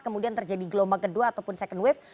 kemudian terjadi gelombang kedua ataupun second wave